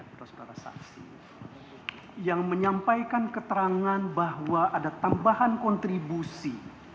saudara saudara saksi yang menyampaikan keterangan bahwa ada tambahan kontribusi